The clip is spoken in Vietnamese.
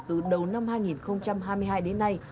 từ đầu năm hai nghìn hai mươi hai đến nay